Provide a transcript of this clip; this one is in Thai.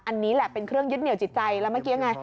อันนี้แหละเป็นเครื่องยึดเหนียวจิตใจแล้วเมื่อกี้ไง